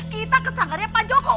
kita ke sanggarnya pak joko